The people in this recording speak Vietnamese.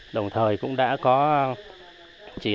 đồng thời cũng đã có chỉ đạt được một số doanh nghiệp